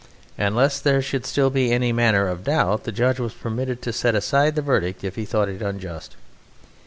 And, lest there should still be any manner of doubt, the judge was permitted to set aside their verdict if he thought it unjust.